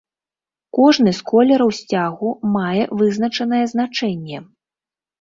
Кожны з колераў сцягу мае вызначанае значэнне.